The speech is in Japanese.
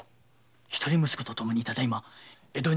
一人息子とともにただいま江戸に。